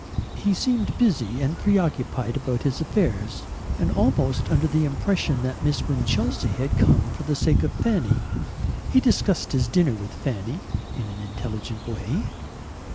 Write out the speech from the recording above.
He seemed busy and preoccupied about his affairs, and almost under the impression that Miss Winchelsea had come for the sake of Fanny. He discussed his dinner with Fanny in an intelligent way.